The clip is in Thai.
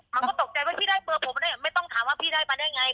มันก็ตกใจว่าพี่ได้เบอร์ผมได้ไม่ต้องถามว่าพี่ได้มาได้ไง